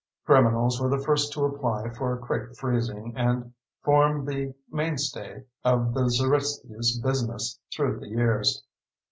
Criminals were the first to apply for quick freezing, and formed the mainstay of the Zeritskys' business through the years.